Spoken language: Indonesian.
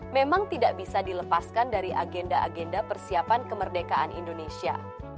memang tidak bisa dilepaskan dari agenda agenda persiapan kemerdekaan indonesia